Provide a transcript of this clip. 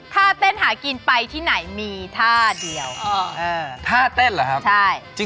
ภาคเท่นหากินไปที่ไหนมีภาคเท่าเดียว